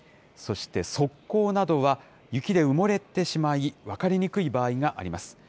そして側溝などは雪で埋もれてしまい、分かりにくい場合があります。